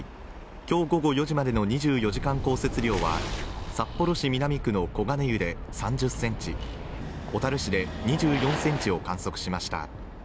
今日午後４時までの２４時間降雪量は札幌市南区の小金湯で３０ｃｍ、小樽市で２４ｃｍを観測しました。